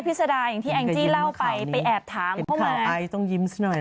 พิษดาอย่างที่แองจี้เล่าไปไปแอบถามเข้ามาไอซ์ต้องยิ้มซะหน่อย